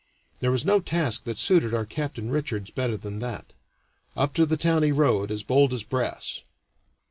There was no task that suited our Captain Richards better than that. Up to the town he rowed, as bold as brass.